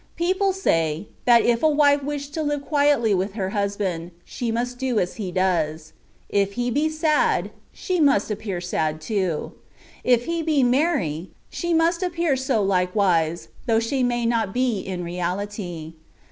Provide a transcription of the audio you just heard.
People say, that if a wife wish to live quietly with her husband, she must do as he does : if he be sad, she must appear sad too : if he be merry, she must appear so Hke wise (though she may not be in reality)